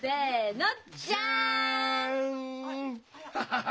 ハハハ！